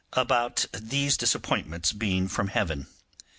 about these disappointments being from Heaven.